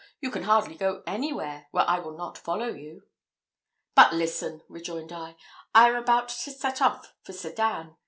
You can hardly go anywhere, where I will not follow you." "But listen," rejoined I "I am about to set off for Sedan.